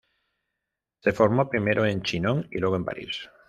Se formó primero en Chinon y luego en París.